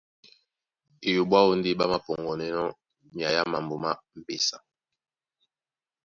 Eyoɓo aó ndé ɓá māpɔŋgɔnɛnɔ́ nyai á mambo má m̀pesa.